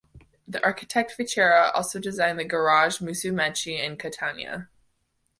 The architect Fichera also designed the Garage Musumeci in Catania.